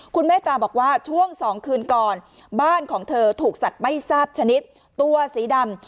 คุณเมตตาบอกว่าช่วง๒คืนก่อนบ้านของเธอถูกสัตว์ไม่ทราบชนิดตัวสีดำ